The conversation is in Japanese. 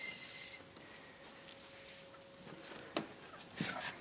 すいません。